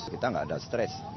kita tidak ada stress